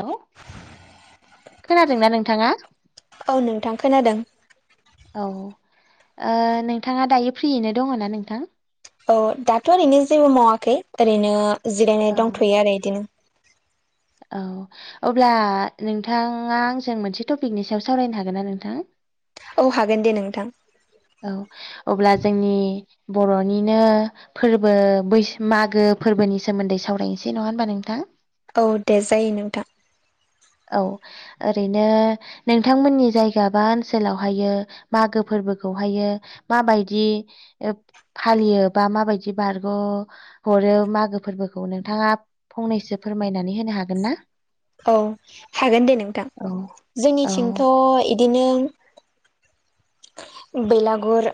हेल' खोनादोंना नोंथाङा? औ नोंथां खोनादों औ ओ नोंथाङा दायो फ्रियैनो दङ ना नोंथां? औ दाथ' ओरैनो जेबो मावाखै ओरैनो जिरायनाय औ दंथ'यो आरो बिदिनो औ अब्ला नोंथाङा आंजों मोनसे टपिकनि सायाव सावरायनो हागोन ना नोंथां औ हागोन दे नोंथां। औ अब्ला जोंनि बर'निनो फोरबो बै मागो फोरबोनि सोमोन्दै सावरायनोसै नङा होमबा नोंथां औ दे जायो नोंथां। औ ओरैनो नोंथांमोननि जायगा बा ओनसोलावहायो मागो फोरबोखौहायो माबायदि फालियो बा माबायदि बारग' हरो मागो फोरबोखौ नोंथाङा फंनैसो फोरमायनानै होनो हागोन ना? औ हागोन दे नोंथां औ जोंनिथिंथ' इदिनो बेलागुर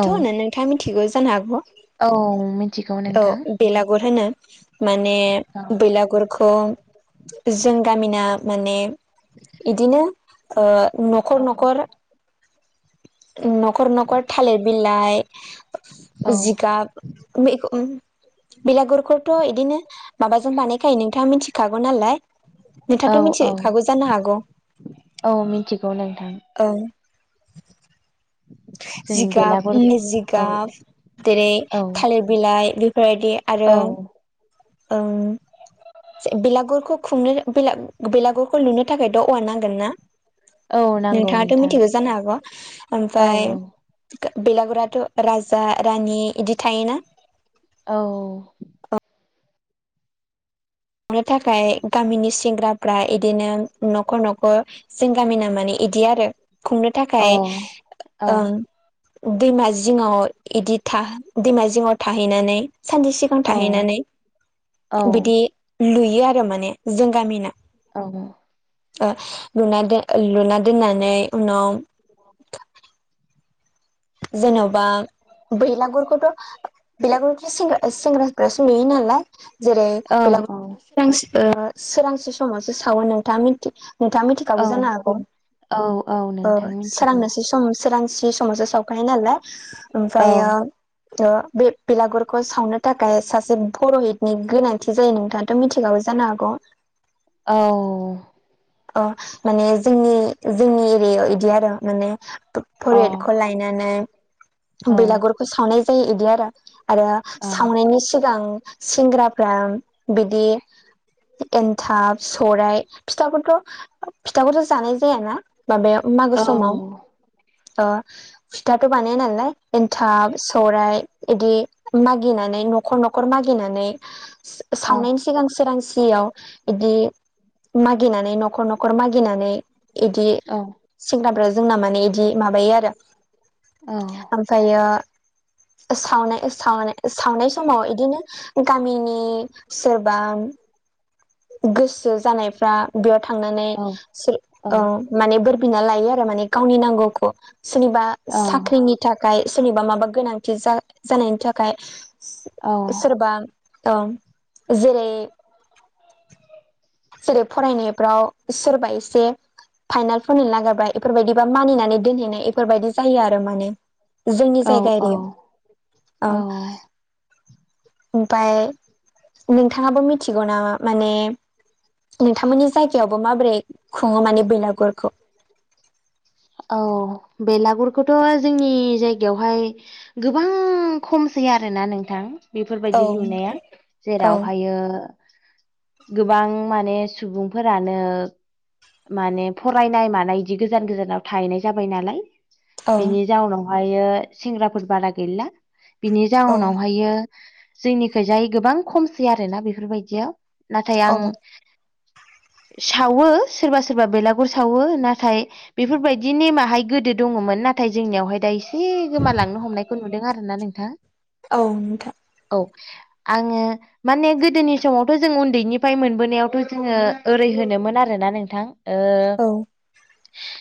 औ होनो नोंथाङा मिथिगौ जानो हागौ औ मिथिगौ औ नोंथां। बेलागुर होनो माने बैलागुरखौ जों गामिना माने इदिनो ओ न'खर औ न'खर न'खर न'खर थालिर बिलाइ जिगाब [unintelligible] बेलागुरखौथ' इदिनो माबाजों बानायखायो नोंथाङा मिथिखागौ नालाय औ नोंथाङाथ' औ मिथिखागौ जानो हागौ औ मिथिगौ नोंथां औ जों जिगाब बेलागुर औ जिगाब जेरै औ थालिर बिलाइ बेफोरबायदि औ आरो ओं बेलागुरखौ खुंनो बेलागुरखौ लुनो थाखायथ' औवा नांगोन ना औ नांगौ नोंथाङाथ' नोंथां मिथिगौ जानो हागौ औ फाय बेलागुराथ' राजा रानि इदि थायोना औ थांनो थाखाय गामिनि सेंग्राफ्रा इदिनो न'खर न'खर जों गामिना माने इदि आरो खुंनो थाखाय अ औ ओ दैमा जिङाव इदि था दैमा जिङाव थाहैनानै सानसे सि गां औ थाहैनानै औ बिदि लुयो आरो माने जों गामिना औ ओ लुना दो लुना दोननानै उनाव [inaudible] जेन'बा बेलागुरखौथ' बेलागुरथ' सेंग्राफोरासो लुयो नालाय जेरै बेला औ सोरांसि ओ सोरांसि समावसो सावो नोंथां नोंथाङा मिथि खागौ औ जानो हागौ औ औ ओ नोंथां मिथिगौ सोरांनोसै सम सोरांसि सम मावसो सावखायो नालाय औ ओमफ्रायो त बे बेलागुरखौ सावनो थाखाय सासे भरहितनि गोनांथि जायो नोंथां मिथिखाबाय जानो हागौ औ अ माने जोंनि जोंनि एरियाव इदि आरो माने अ परट खौ लाय बिनानै औ बेलागुरखौ सावनाय जायो इदि आरो आरो औ सावनायनि सिगां सेंग्राफ्रा बिदि एन्थाब सौराइ फिथाखौथ' फिथाखौथ' जानाय जायाना माबायाव मागो औ समाव अ फिथाथ' बानाया नालाय एनथाब सौराइ इदि मागिनानै न'खर न'खर मागिनानै [unintelligible] सावनायनि सिगां सोरांसियाव इदि मागिनानै न'खर न'खर मागिनानै इदि औ सेंग्राफोरा जोंना माने बिदि माबायो आरो औ ओमफ्रायो सावनाय सावनाय सावनाय समाव इदिनो गामिनि सोरबा गोसो जानायफ्रा बेयाव थांनानै सो औ माने बोर बिना लायो आरो माने गावनि नांगौखौ सोरनिबा साख्रिनि थाखाय सोरनिबा माबा गोनांथि जानायनि थाखाय सोरबा ओं जेरै जेरै फरायनायफ्राव सोरबा एसे फाइनालफोरनि नागिरबाय बेफोरबायदिबा मानिनानै दोनहैनाय इफोरबायदि जायो आरो माने जोंनि औ जायगा औ एरियाआव औ ओमफाय नोंथाङाबो मिथिगौ नामा माने नोंथांमोननि जायगायावबो माबोरै खुङो माने बेलागुरखौ औ बेलागुरखौथ' जोंनि जायगायावहाय गोबां खमसै आरोना नोंथां औ बेफोरबायदि लुनाया औ जेरावहायो गोबां माने सुबुंफोरानो माने फरायनाय मानाय इदि गोजान गोजानाव थाहैनाय जाबाय नालाय औ बिनि जाउनावहायो सेंग्राफोर बारा गैला बिनि औ जाउनावहायो जोंनिखैजाय गोबां खमसै आरोना बेफोरबायदियाव नाथाय औ आं सावो सोरबा सोरबा बेलागुर सावो नाथाय बेफोरबायदि बिदि नेमाहाय गोदो दङमोन नाथाय जोंनियावहाय दा एसे गोमालांनो हमनायखौ नुदों आरोना नोंथां औ नोंथां औ आङो माने गोदोनि समावथ' जों उन्दैनिफ्राय मोनबोनायावथ' जोङो ओरै होनोमोन आरोना नोंथां ओ औ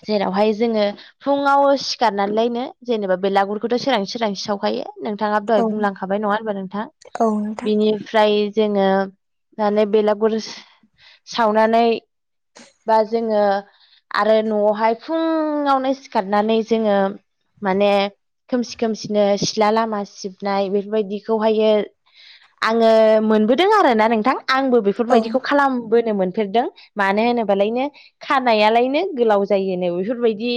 जेरावहाय जोङो फुङाव सिखारनानैलायनो जेनेबा बेलागुरखौथ' सोरां सोरांसि सावखायो नोंथाङाब दहाय औ बुंलांखाबाय नङा होनबा नोंथां औ नोंथां बिनिफ्राय जोङो दालाय बेलागुरस सावनानै बा जोङो आरो न'आवहाय फुं फुङावनो सिखारनानै जोङो माने खोमसि खोमसिनो सिथला लामा सिबनाय बेफोरबायदिखौहायो आङो मोनबोदों आरोना नोंथां आंबो औ बेफोरबायदिखौ खालामबोनो मोनफेरदों मानो होनोबालायनो खानायालायनो गोलाव जायोनो बेफोरबाय दि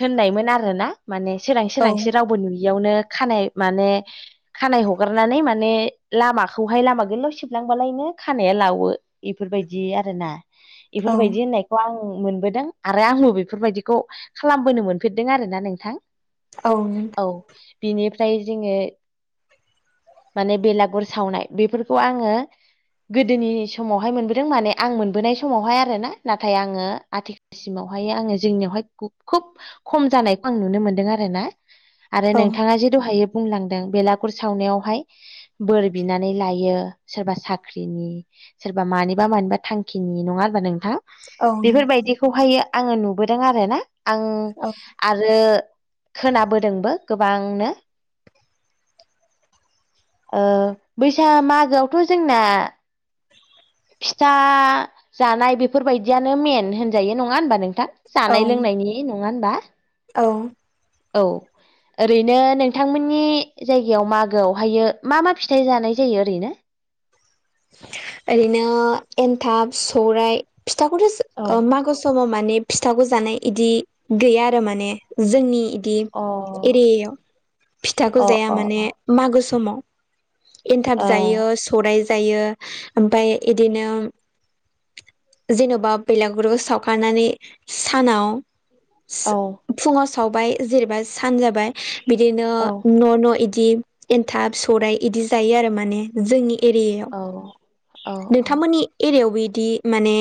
होननायमोन आरोना माने सोरांसि औ सोरांसि रावबो नुयियावनो खानाय माने खानाय हगारनानै माने लामाखौहाय लामा गोलाव सिबलांबालायनो खानाया लावो इफोरबायदि आरोना औ इफोरबायदि होननायखौ आं मोनबोदों आरो आंबो बेफोरबायदि खौ खालामबोनो मोनफेरदों आरोना नोंथां औ नोंथां औ बिनिफ्राय जोंङो माने बेलागुर सावनाय बेफोरखौ आङो गोदोनि समावहाय मोनबोदों माने आं मोनबोनाय समावहाय आरोना नाथाय आङो आथि सिमावहाय आङो जोंनियावहाय खोब खम जानायखौ आं नुनो मोनदों आरोना आरो औ नोंथाङा जे दहायो बुंलांदों बेलागुर सावनायावहाय बोर बिनानै लायो सोरबा साख्रिनि सोरबा मानिबा मानिबा थांखिनि नङा होनबा नोंथां। औ बेफोरबायदिखौहायो आङो नुबोदों आरोना आं औ आरो खोनाबोदोंबो गोबांनो ओ बैसा मागोआवथ' जोंना फिथा जानाय बेफोरबायदियानो मेन होनजायो नङा होनबा नोंथां जानाय लोंनायनि नङा होनबा औ ओरैनो नोंथांमोननि जायगायाव मागोआवहायो मा मा फिथाइ जानाय जायो ओरैनो ओरैनो एन्थाब सौराइ फिथाखौथ जा औ ओ मागो स माव माने फिथाखौ जानाय इदि गैया आरो माने जोंनि इदि अ एरियायाव फिथाखौ अ जाया माने अ मागो समाव अ एनथाब जायो सौराय जायो ओमफाय इदिनो जेनबा बेलागुरबो सावखानानै सानाव औ फुंङाव सावबाय जेनेबा सान जाबाय बिदिनो औ न न इदि एन्थाब सौराइ इदि जायो आरो माने जोंनि एरियायाव औ औ नोंथांमोननि एरियावबो इदि माने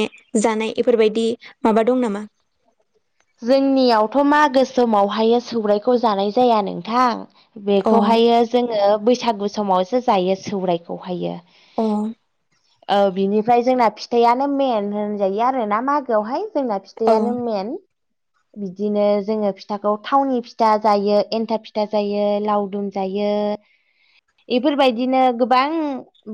जानाय इफोरबायदि माबा दं नामा। जोंनियावथ मागो समावहाय सौरायखौ जानाय जाया नोंथां। अ बेखौहायो जोंङो बैसागु समावसो जायो सौरायाइखौहायो अ औ बिनिफ्राय जोंना फिथायानो मेन होनजायो आरो ना मागोआवहाय जोंना औ फिथायानो मेन बिदिनो जोंङो फिथाखौ थावनि फिथा जायो एन्थाब फिथा जायो लावदुम जायो इफोरबायदिनो गोबां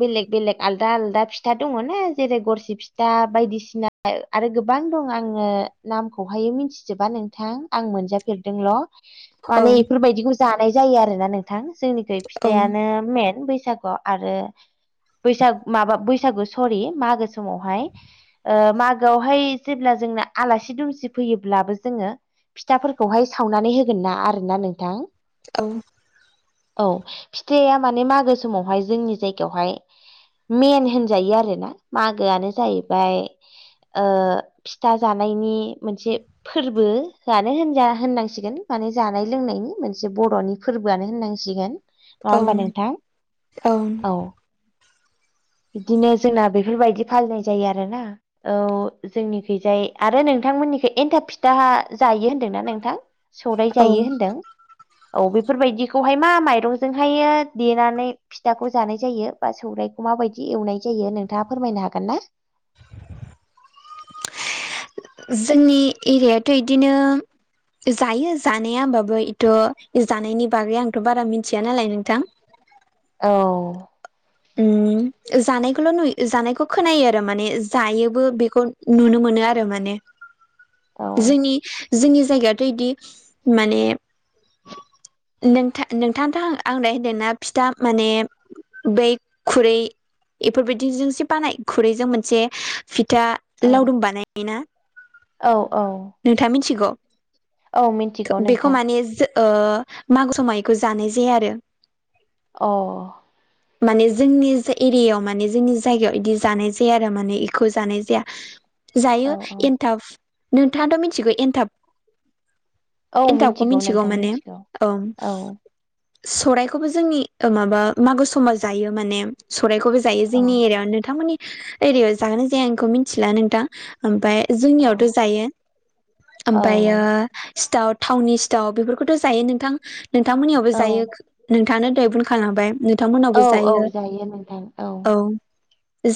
बेलेग बेलेग आलदा आलदा फिथा दङ ना जेरै गरसि फिथा बायदिसिना आरो गोबां दं आङो नामखौ बेहाय मिथिजोबा नोंथां आं मोनजाफेरदोंल औ माने इफोरबायदिखौ जानाय जायो आरोना नोंथां जोंनि खै फिथायानो मेन बैसागुआव आरो बैसाग माबा बैसागु सरि मागो समावहाय ओ मागोआवहाय जेब्ला जोंना आलासि दुमसि फैयोब्लाबो जोंङो फिथाफोरखौहाय सावनानै होगोन ना आरोना नोंथां। औ औ फिथाया माने मागो समावहाय जोंनि जायगायावहाय मेन होनजायो आरो ना मागोआनो जाहैबाय ओ फिथा जानायनि मोनसे फोरबोआनो होनजा होननांसिगोन माने जानाय लोंनायनि मोनसे बर'नि फोरबोआनो होननांसिगोन। औ नङा होनबा नोंथां औ बिदिनो जोंना बेफोरबायदि फालिनाय जायो आरोना। औ जोंनिखैजाय आरो नोंथांमोननि बे एन्थाब फिथा जायो होन्दोंना नोंथां सौरायाइ औ जायो होनदों। औ बेफोरबायदिखौहाय मा माइरंजोंहायो देनानै फिथाखौ जानाय जायो बा सौराइखौ माबायदि एवनाय जायो नोंथाङा फोरमायनो हागोनना। जोंनि एरियाथ' बिदिनो जायो जानाया होम्बाबो इथ' जानायनि बागै आंथ' बारा मिथिया नालाय नोंथां। औ ओम जानायखौल' नुयो जानायखौ खोनायो आरो माने जायोबो बेखौ नुनो मोनो आरो माने औ जोंनि-जोंनि जायगायाथ' बिदि माने नोंथ नोंथाङथ' आंलाय होनदों ना फिथा माने बै खुरै बेफोरबायदिजोंसो बानाय खुरैजों मोनसे फिथा औ लावडुम बानायो ना औ औ नोंथाङा मिथिगौ औ मिथिगौ बेखौ नोंथां माने ओ मागो सम मायखौ जानाय जाया आरो अ माने जोंनि एरियायाव माने जोंनि जायगायाव इदि जानाय जाया आरो माने इखौ जानाय जाया। [unintelligible] जायो औ एनथाब नोंथाङाथ' मिथिगौ एनथाब औ मिथिगौ नोंथां मिथिगौ। औ सौराइखौबो जोंनि माबा मागो समाव जायो माने सौराइखौबो जायो औ जोंनि एरिया नोंथांमोननि एरियायाव जाहोनाय जाया आंखौ मिथिला नोंथां। ओमफफ्राय औ जोंनियावथ' जायो औ ओमफ्रायो सिथाव थटाउननि सिथाव बेफोरखौथ' जायो नोंथां नोंथांमोननियावबो औ जायो। नोंथाङानो दे बुंन खालामांबाय नोंथांमोनावबो औ जायो औ नोंथां औ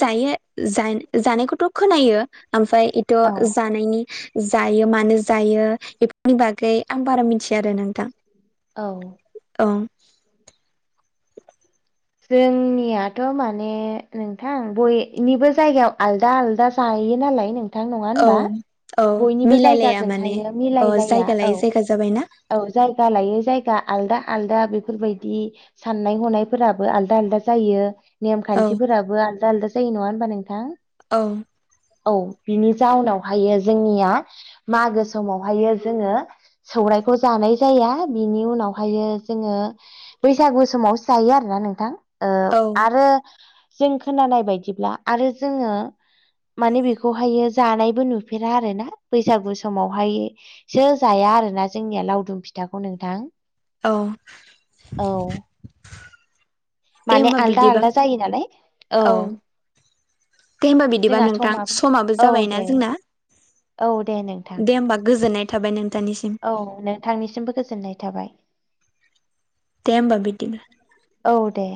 जायो जानायखौथ' खोनायो ओमफ्राय बेथ' औ जानायनि जायो मानो जायो बेफोरनि बागै आं बारा मिथिया आरो नोंथां। औ औ जोंनियाथ' माने नोंथां बयनिबो जायगायाव आलदा आलदा जायोनालाय नों नोंथां नङा औ होम्बा औ बयनिबो मिलायलाया माने जायगाजोंहायो औ मिलायलाया जायगा औ लायै जायगा जाबायना औ जायगा लायो जायगा आलदा आलदा बेफोरबायदि साननाय हनायफोराबो। आलादा-आलादा जायो नेम औ खान्थिफोराबो आलदा-आलदा जायो नङा होम्बा नोंथां। औ औ बिनि जाउनावहायो जोंनिया मागो समावहायो जोङो सौरायखौ जानाय जाया बिनि उनावहाय जोङो बैसागु समावसो जायो आरोना नोंथां औ आरो जों खोनानाय बायदिब्ला आरो जोङो माने बेखौहायो जानायबो नुफेरा आरो ना बैसागु समावहाय सो जाया आरोना जोंनिया लावदुम फिथाखौ नोंथां औ औ दे माने होमबा आलदा बिदिबा आलदा जायो नालाय औ दे होम्बा बिदिबा जोंहा नोंथां समाबो औ जाबाय ना दे जोंना औ दे नोंथां दे होनबा गोजोननाय थाबाय नोंथांनिसिम औ नोंथांनिसिमबो गोजोननाय थाबाय दे होनबा बेदिनो औ दे